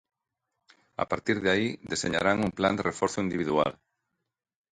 A partir de aí deseñarán un plan de reforzo individual.